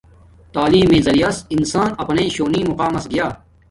تعیلم میے زریعریاس انسان اپناݵ شونی مقام مس گیا